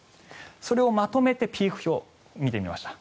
それをまとめてピーク表を見てみましょう。